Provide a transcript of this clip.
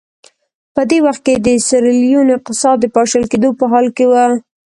په دې وخت کې د سیریلیون اقتصاد د پاشل کېدو په حال کې و.